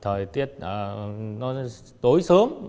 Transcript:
thời tiết nó tối sớm